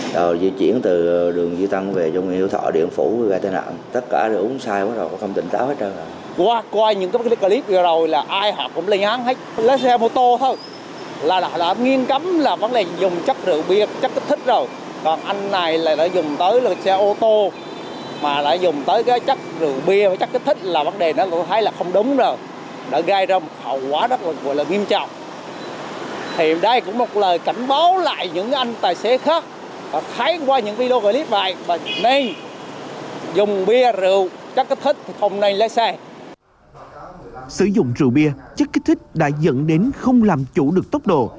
sử dụng rượu bia chất kích thích đã dẫn đến không làm chủ được tốc độ